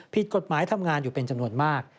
ผิดกฎหมายทำงานอยู่เป็นจำนวนมาก